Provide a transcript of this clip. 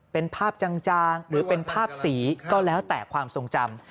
เป็นภาพจางหรือเป็นภาพสีก็แล้วแต่ความทรงจำ